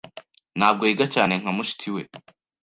Ntabwo yiga cyane nka mushiki we.